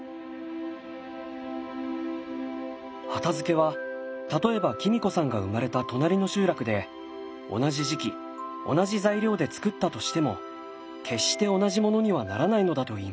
畑漬は例えばキミ子さんが生まれた隣の集落で同じ時期同じ材料でつくったとしても決して同じものにはならないのだといいます。